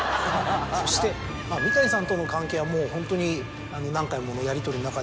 そして三谷さんとの関係はもうホントに何回もやりとりの中で。